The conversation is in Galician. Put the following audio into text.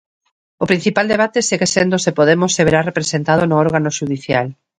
O principal debate segue sendo se Podemos se verá representado no órgano xudicial.